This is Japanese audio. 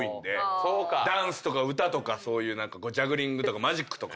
ダンスとか歌とかジャグリングとかマジックとか。